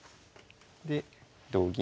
で同銀。